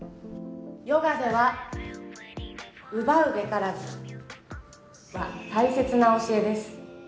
ヨガでは「奪うべからず」は大切な教えです